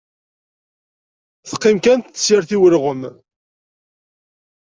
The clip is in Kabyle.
Teqqim kan tessirt i ulɣem.